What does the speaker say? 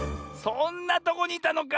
そんなとこにいたのか。